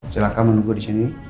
silahkan menunggu di sini